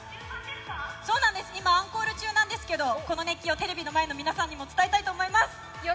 そうなんです、今、アンコール中なんですけど、この熱気をテレビの前の皆さんにも伝えたいと思います。